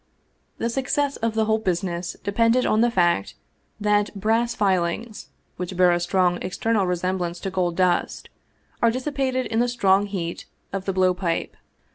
The success of the whole business depended on the fact that brass filings, which bear a strong external resemblance to gold dust, are dissipated in the strong heat of the blow pipe.